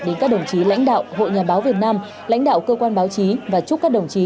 đến các đồng chí lãnh đạo hội nhà báo việt nam lãnh đạo cơ quan báo chí và chúc các đồng chí